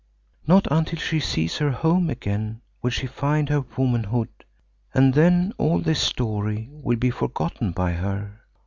Not until she sees her home again will she find her womanhood, and then all this story will be forgotten by her.